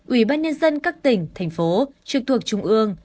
ủy ban nhân dân các tỉnh thành phố trực thuộc trung ương